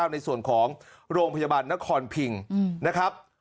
ในส่วนของโรงพยาบาลนครพิงนะครับ